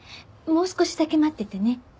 もう少しだけ待っててね。